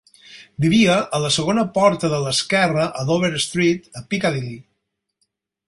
Vivia a "la segona porta de l'esquerra a Dover Street", a Piccadilly.